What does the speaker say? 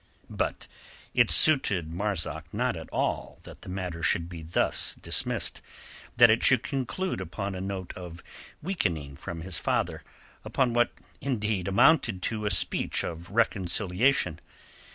But it suited Marzak not at all that the matter should be thus dismissed, that it should conclude upon a note of weakening from his father, upon what indeed amounted to a speech of reconciliation.